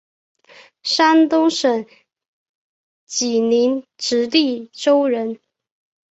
山东省济宁直隶州人。